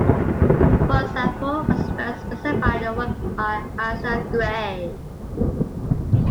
For example, was first specified in a work by Asa Gray.